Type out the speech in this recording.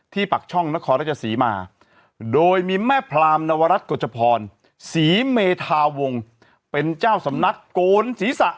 ปักช่องนครราชศรีมาโดยมีแม่พรามนวรัฐกฎจพรศรีเมธาวงเป็นเจ้าสำนักโกนศีรษะ